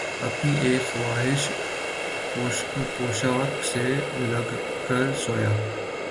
اپنی اِک خواہشِ پوشاک سے لگ کر سویا